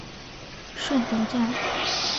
顺德站